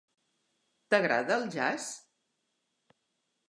T'agrada el jazz?